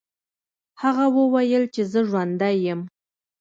هغه وویل چې زه ژوندی یم.